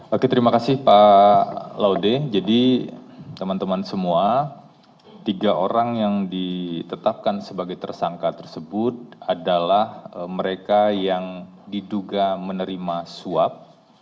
oke terima kasih pak laude jadi teman teman semua tiga orang yang ditetapkan sebagai tersangka tersebut adalah mereka yang diduga menerima suap